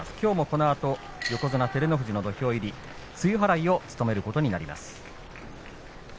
このあと横綱照ノ富士の土俵入り露払いを務めることになります。